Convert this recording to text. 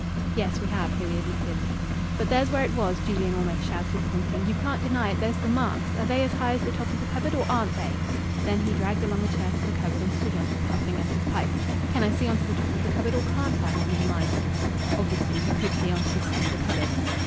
"Yes, we have," Louis admitted. "But there's where it was!" Julian almost shouted, pointing. "You can't deny it! There's the marks. Are they as high as the top of the cupboard, or aren't they?" Then he dragged along a chair to the cupboard and stood on it, puffing at his pipe. "Can I see on to the top of the cupboard or can't I?" he demanded. Obviously he could see on to the top of the cupboard.